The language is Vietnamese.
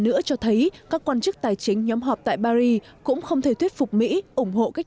nữa cho thấy các quan chức tài chính nhóm họp tại paris cũng không thể thuyết phục mỹ ủng hộ cách